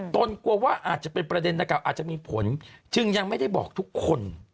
กลัวว่าอาจจะเป็นประเด็นดังกล่าอาจจะมีผลจึงยังไม่ได้บอกทุกคน